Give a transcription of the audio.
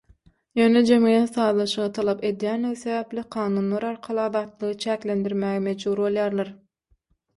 Ýöne jemgyýet sazlaşygy talap edýänligi sebäpli kanunlar arkaly azatlygy çäklendirmäge mejbur bolýarlar.